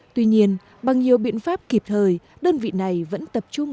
tuy nhiên bằng nhiều biện pháp kịp thời đơn vị này vẫn tập trung